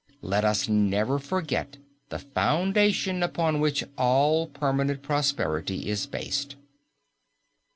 Let us never forget the foundation upon which all permanent prosperity is based.